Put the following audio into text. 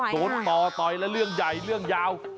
โดนต่อต่อยแล้วเรื่องใหญ่เรื่องยาว